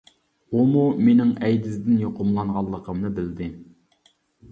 ئۇمۇ مېنىڭ ئەيدىز دىن يۇقۇملانغانلىقىمنى بىلدى.